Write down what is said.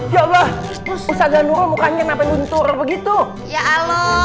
ya allah ustadz zahnurul mukanya kenapa luntur begitu ya allah